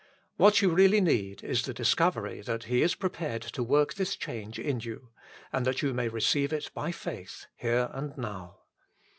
What you really need is the discovery that He is prepared to work this change in you, and that you may receive it by faith, here and now.